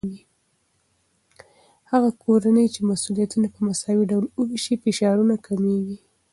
هغه کورنۍ چې مسؤليتونه په مساوي ډول وويشي، فشارونه کمېږي.